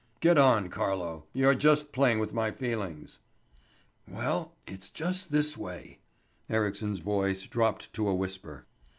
"Get on, Carlo. You're just playing with my feelings." "Well, it's just this way" Ericsson's voice dropped to a whisper.